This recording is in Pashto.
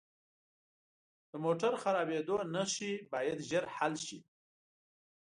د موټر خرابیدو نښې باید ژر حل شي.